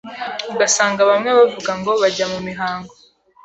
ugasanga bamwe bavuga ngo bajya mu mihango